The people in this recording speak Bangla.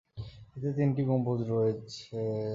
এতে তিনটি গম্বুজ রয়েছে।